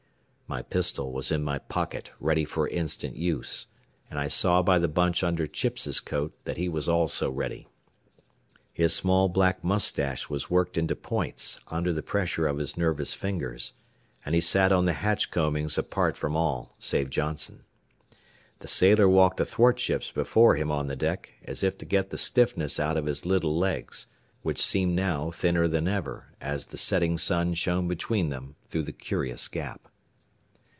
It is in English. My pistol was in my pocket ready for instant use, and I saw by the bunch under Chips' coat that he was also ready. His small black mustache was worked into points under the pressure of his nervous fingers, and he sat on the hatch combings apart from all save Johnson. The sailor walked athwartships before him on the deck as if to get the stiffness out of his little legs, which seemed now thinner than ever, as the setting sun shone between them through the curious gap.